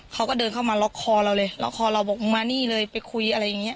เขาก็เดินเข้ามาล็อกคอเราเลยล็อกคอเราบอกมึงมานี่เลยไปคุยอะไรอย่างนี้